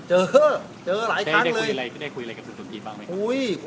เจอเจอหลายครั้งเลยได้ได้คุยอะไรได้คุยอะไรกับสดทีบ้างไหมครับ